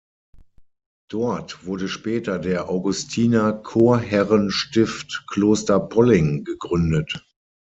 Dort wurde später der Augustiner-Chorherrenstift Kloster Polling gegründet.